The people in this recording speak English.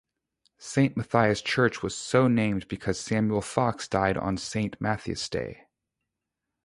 Saint Matthias church was so named because Samuel Fox died on Saint Matthias' Day.